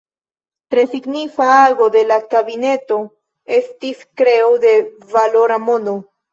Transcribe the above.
Tre signifa ago de la kabineto estis kreo de valora mono.